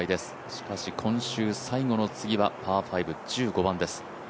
しかし今週、最後の次はパー５、１５番です。